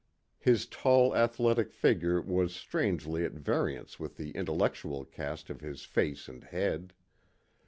His tall athletic figure was strangely at variance with the intellectual cast of his face and head.